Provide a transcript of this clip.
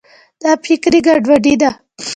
دا فکري ګډوډي ده.